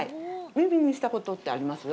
耳にしたことってあります？